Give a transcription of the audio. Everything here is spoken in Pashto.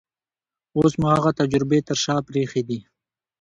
اوس مو هغه تجربې تر شا پرېښې دي.